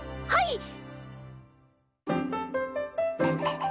はい！